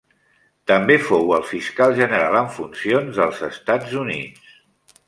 També fou el Fiscal General en funcions dels Estats Units.